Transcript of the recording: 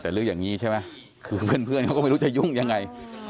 แต่เรื่องอย่างนี้ใช่ไหมคือเพื่อนเขาก็ไม่รู้จะยุ่งยังไง